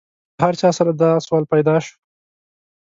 له هر چا سره دا سوال پیدا شو.